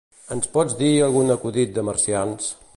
Ens pots dir algun acudit de marcians?